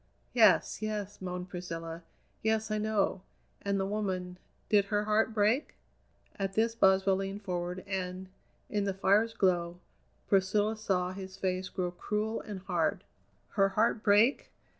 "Yes, yes," moaned Priscilla, "yes, I know. And the woman did her heart break?" At this Boswell leaned forward, and, in the fire's glow, Priscilla saw his face grow cruel and hard. "Her heart break?